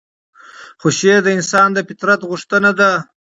خو شعر د انسان د فطرت غوښتنه ده.